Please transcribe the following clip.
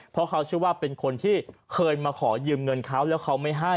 เพราะเขาเชื่อว่าเป็นคนที่เคยมาขอยืมเงินเขาแล้วเขาไม่ให้